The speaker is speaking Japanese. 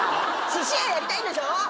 すし屋やりたいんでしょ？